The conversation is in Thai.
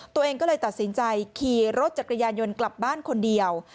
ตัวเองก็เลยตัดสินใจขี่รถจักรยานยนต์กลับบ้านคนเดียว